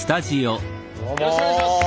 よろしくお願いします。